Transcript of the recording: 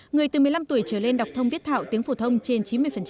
người từ một mươi năm tuổi trở lên đọc thông viết thạo tiếng phổ thông trên chín mươi